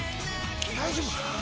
大丈夫かな？